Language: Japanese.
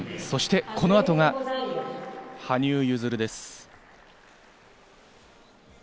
そしてこの後は、羽生結弦です。